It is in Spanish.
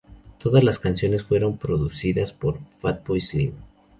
Todas las canciones fueron producidas por Fatboy Slim.